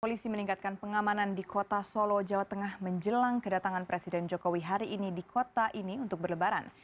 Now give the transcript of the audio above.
polisi meningkatkan pengamanan di kota solo jawa tengah menjelang kedatangan presiden jokowi hari ini di kota ini untuk berlebaran